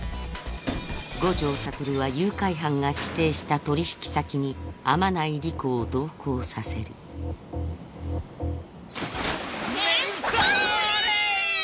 五条悟は誘拐犯が指定した取引先に天内理子を同行させるめんそれ！